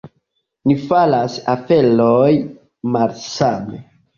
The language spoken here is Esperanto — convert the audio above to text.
Ni faras aferojn malsame.